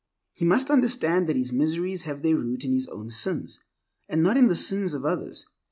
He must understand that his miseries have their root in his own sins, and not in the sins of others.